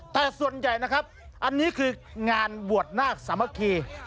แต่ส่วนใหญ่นะครับอันนี้คือการววดนาคสมภิร์ฐ์